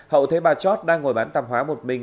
hậu thấy bà chót đang ngồi bán tạp hóa một mình